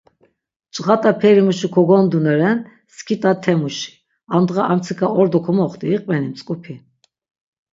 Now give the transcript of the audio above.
Cğat̆a peri muşi kagonduneren, skit̆a te muşi, amdğa armtsika ordo komoxti iqveni mtzǩupi?